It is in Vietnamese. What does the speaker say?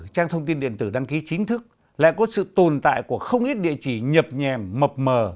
trang thông tin điện tử đăng ký chính thức lại có sự tồn tại của không ít địa chỉ nhập nhèm mập mờ